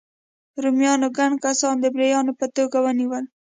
رومیانو ګڼ کسان د مریانو په توګه ونیول.